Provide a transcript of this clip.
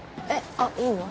あっいいの？